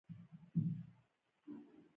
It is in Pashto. چې اوبۀ به پکښې راشي